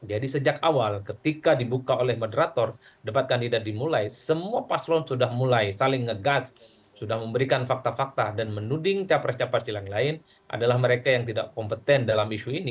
jadi sejak awal ketika dibuka oleh moderator debat kandidat dimulai semua paslon sudah mulai saling ngegas sudah memberikan fakta fakta dan menuding capres capres yang lain adalah mereka yang tidak kompeten dalam isu ini